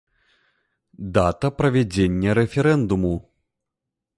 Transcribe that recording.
Дата правядзення рэферэндуму.